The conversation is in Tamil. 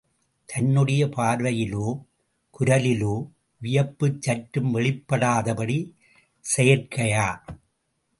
தன்னுடைய பார்வையிலோ, குரலிலோ வியப்புச் சற்றும் வெளிப்படாதபடி, செயற்கையா?